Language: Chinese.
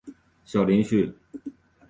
小林旭。